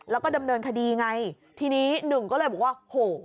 แล้วก็ดำเนินคดีไงทีนี้หนึ่งก็เลยบอกว่าโห